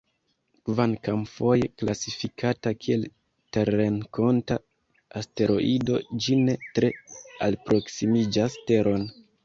Kvankam foje klasifikata kiel terrenkonta asteroido, ĝi ne tre alproksimiĝas Teron.